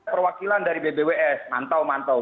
perwakilan dari bbws mantau mantau